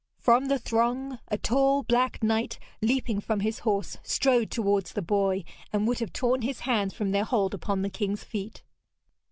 From the throng a tall black knight, leaping from his horse, strode towards the boy, and would have torn his hands from their hold upon the king's feet.